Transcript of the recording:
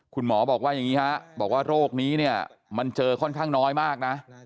คุณหมอบอกว่าอย่างนี้ฮะบอกว่าโรคนี้เนี่ยมันเจอค่อนข้างน้อยมากนะ